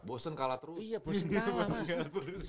bosen kalah terus iya bosen kalah mas